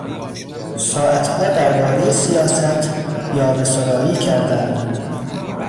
ساعتها دربارهی سیاست، یاوهسرایی کردند.